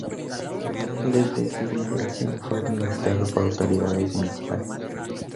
Desde su inauguración fue administrado por autoridades municipales.